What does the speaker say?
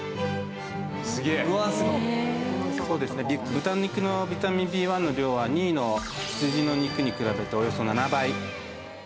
豚肉のビタミンＢ１の量は２位の羊の肉に比べておよそ７倍。